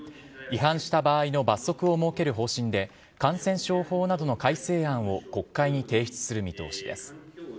違反した場合の罰則を設ける方針で感染症法などの改正案を国会に提出する見通しです。